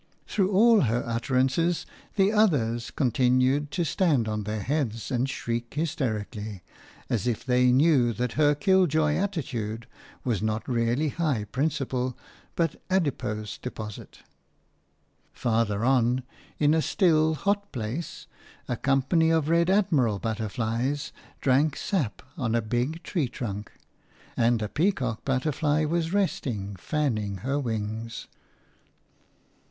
Through all her utterances the others continued to stand on their heads and shriek hysterically, as if they knew that her kill joy attitude was not really high principle, but adipose deposit. Farther on, in a still, hot place, a company of Red Admiral butterflies drank sap on a big tree trunk, and a peacock butterfly was resting, fanning her wings.